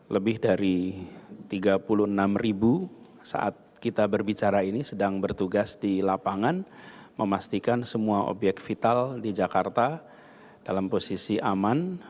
lebih dari tiga puluh enam ribu saat kita berbicara ini sedang bertugas di lapangan memastikan semua obyek vital di jakarta dalam posisi aman